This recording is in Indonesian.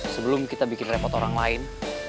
sebelum kita bikin repot orang lain